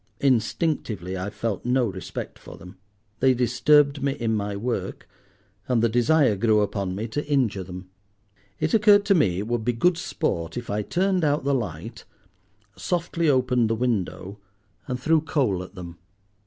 Instinctively I felt no respect for them; they disturbed me in my work, and the desire grew upon me to injure them. It occurred to me it would be good sport if I turned out the light, softly opened the window, and threw coal at them.